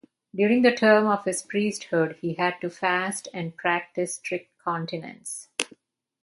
During the term of his priesthood he had to fast and practice strict continence.